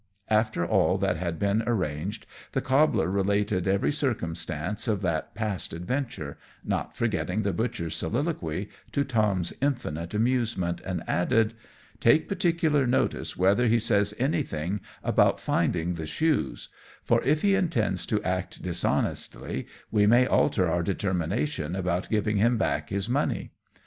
After all that had been arranged, the cobbler related every circumstance of the past adventure not forgetting the butcher's soliloquy to Tom's infinite amusement, and added, "Take particular notice whether he says anything about finding the shoes; for if he intends to act dishonestly we may alter our determination about giving him back his money."